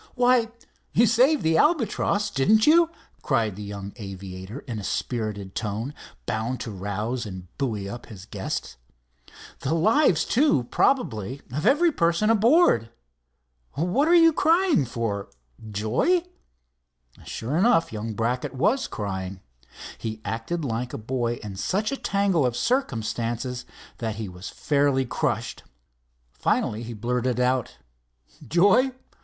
"Why, you saved the Albatross, didn't you?" cried the young aviator, in a spirited tone, bound to rouse and buoy up his guest. "The lives, too, probably, of every person aboard. What are you crying for—joy?" Sure enough, young Brackett was crying. He acted like a boy in such a tangle of circumstances that he was fairly crushed. Finally he blurted out: "Joy?